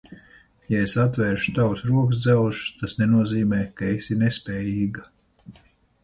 Ja es atvēršu tavus rokudzelžus, tas nenozīmē, ka esi nespējīga.